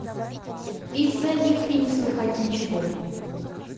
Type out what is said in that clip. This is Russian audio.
Из-за них и не слыхать ничего.